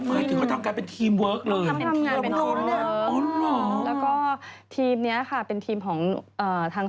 ไม่เดี๋ยวเขาทำการเป็นทีมเวิร์กเลย